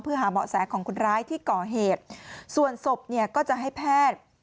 เพื่อหาเบาะแสของคนร้ายที่ก่อเหตุส่วนศพเนี่ยก็จะให้แพทย์